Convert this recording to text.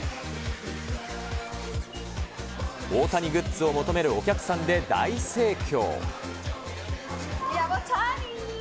大谷グッズを求めるお客さんで大盛況。